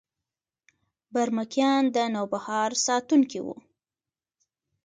برمکیان د نوبهار ساتونکي وو